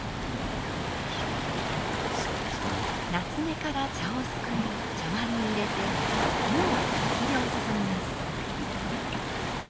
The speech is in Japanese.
棗から茶をすくい茶碗に入れて湯を適量注ぎます。